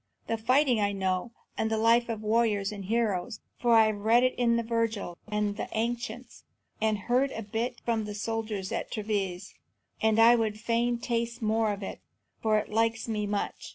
And fighting I know, and the life of warriors and heroes, for I have read of it in Virgil and the ancients, and heard a bit from the soldiers at Treves; and I would fain taste more of it, for it likes me much.